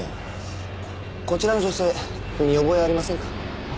こちらの女性見覚えありませんか？